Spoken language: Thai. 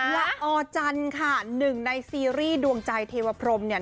ละออจันทร์ค่ะหนึ่งในซีรีส์ดวงใจเทวพรมเนี่ย